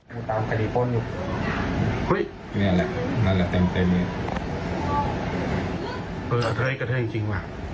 คุณลุงคุณลุง